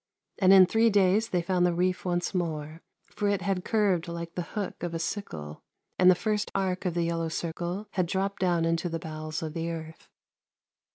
And in three days they found the reef once more ; for it had curved like the hook of a sickle, and the first arc of the yellow circle had dropped down into the bowels of the earth.